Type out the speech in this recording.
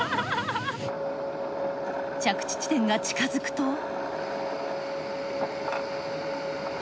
着地地点が近付くと。